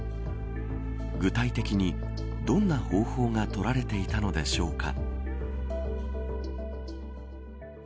具体的に、どんな方法だが取られていたのでしょうか。